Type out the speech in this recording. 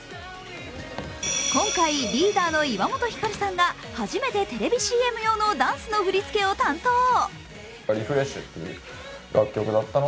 今回リーダーの岩本照さんが初めてテレビＣＭ用のダンスの振り付けを担当。